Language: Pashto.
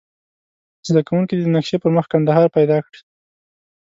زده کوونکي دې د نقشې پر مخ کندهار پیدا کړي.